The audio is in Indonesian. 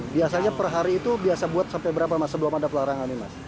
biasanya per hari itu biasa buat sampai berapa mas sebelum ada pelarangan nih mas